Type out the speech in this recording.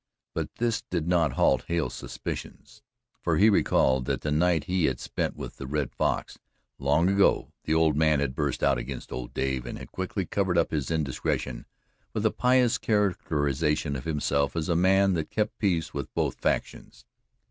But this did not halt Hale's suspicions, for he recalled that the night he had spent with the Red Fox, long ago, the old man had burst out against old Dave and had quickly covered up his indiscretion with a pious characterization of himself as a man that kept peace with both factions.